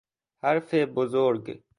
حرف بزرگ